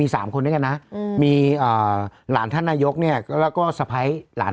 พี่โมดรู้สึกไหมพี่โมดรู้สึกไหมพี่โมดรู้สึกไหมพี่โมดรู้สึกไหม